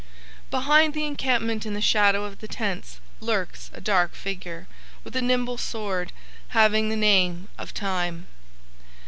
"Behind the encampment in the shadow of the tents lurks a dark figure with a nimble sword, having the name of Time.